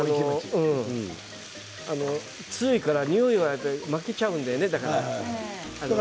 強いからにおいが負けちゃうんだよね。